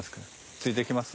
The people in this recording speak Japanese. ついてきます？